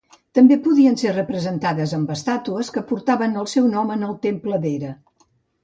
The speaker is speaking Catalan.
També podien ser representades amb estàtues que portaven el seu nom en el temple d'Hera.